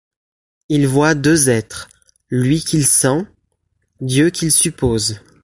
Il voit deux êtres : lui qu’il sent, Dieu qu’il suppose.